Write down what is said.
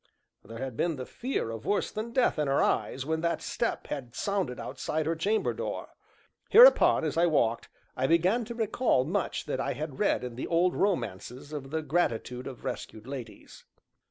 There had been the fear of worse than death in her eyes when that step had sounded outside her chamber door. Hereupon, as I walked, I began to recall much that I had read in the old romances of the gratitude of rescued ladies.